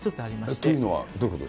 というのはどういうことです